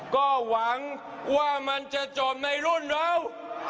ก็หวังว่ามันจะจบในรุ่นเรา